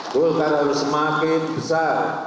golkar harus semakin besar